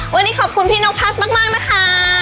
วันนี้ขอบคุณพี่นกพัดมากนะคะ